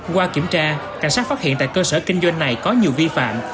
qua kiểm tra cảnh sát phát hiện tại cơ sở kinh doanh này có nhiều vi phạm